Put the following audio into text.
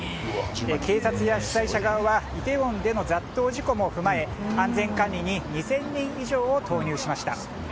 警察や主催者側はイテウォンでの雑踏事故も踏まえ安全管理に２０００人以上を投入しました。